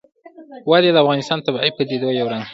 وادي د افغانستان د طبیعي پدیدو یو رنګ دی.